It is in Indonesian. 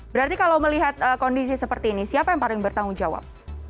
berarti kalau melihat kondisi seperti ini siapa yang paling bertanggung jawab